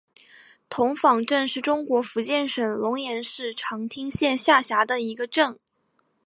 童坊镇是中国福建省龙岩市长汀县下辖的一个镇。